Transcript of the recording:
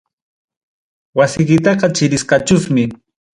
Wasikitaqa chirisqachusmi.